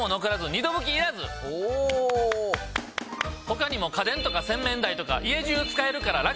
他にも家電とか洗面台とか家じゅう使えるからラク！